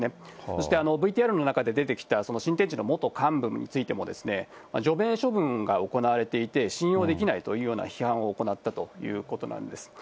そして、ＶＴＲの中で出てきた、その新天地の元幹部についても、除名処分が行われていて、信用できないというような批判を行ったということなんです。